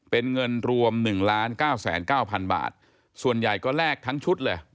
เป็นเงินรวม๑๙๙๐๐บาทส่วนใหญ่ก็แลกทั้งชุดเลย